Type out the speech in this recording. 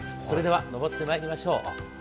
それでは上ってまいりましょう。